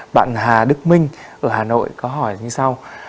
bạn hà đức minh ở hà nội có hỏi như sau